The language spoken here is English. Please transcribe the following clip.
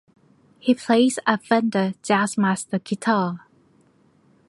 He plays a Fender Jazzmaster guitar.